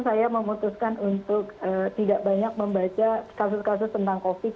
saya memutuskan untuk tidak banyak membaca kasus kasus tentang covid